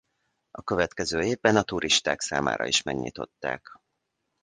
A következő évben a turisták számára is megnyitották.